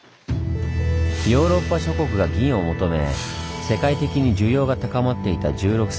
ヨーロッパ諸国が銀を求め世界的に需要が高まっていた１６世紀。